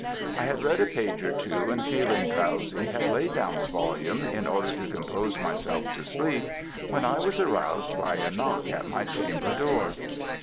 I had read a page or two, and feeling drowsy had laid down the volume in order to compose myself to sleep, when I was aroused by a knock at my chamber door.